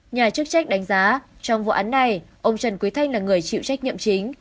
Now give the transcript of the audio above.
nhà chức trách đánh giá trong vụ án này ông trần quý thanh là người chịu trách nhiệm chính